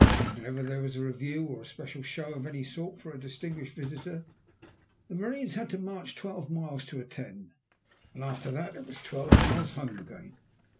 Whenever there was a review or a special show of any sort for a distinguished visitor, the marines had to march twelve miles to attend. And after that it was twelve miles home again.